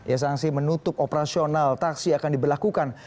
ya sanksi menutup operasional taksi akan diberlakukan